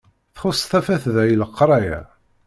Txuṣṣ tafat da i leqraya.